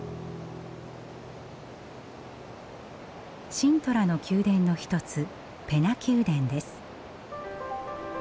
シントラの宮殿の一つペナ宮殿です。